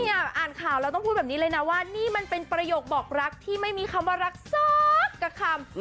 อ่านข่าวแล้วต้องพูดแบบนี้เลยนะว่านี่มันเป็นประโยคบอกรักที่ไม่มีคำว่ารักสักกับคำ